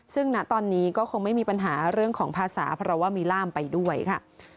ซึ่งณตอนนี้ก็คงไม่มีปัญหาเรื่องของภาษาเพราะว่ามีล่ามไปด้วยค่ะ